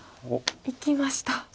いきました。